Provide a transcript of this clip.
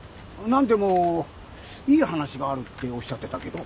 何でもいい話があるっておっしゃってたけど。